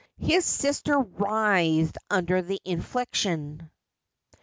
His sister writhed under the infliction.